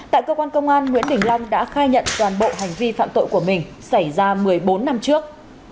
tại cơ quan công an nguyễn đình long đã khai nhận toàn bộ hành vi phạm tội của mình xảy ra một mươi bốn năm trước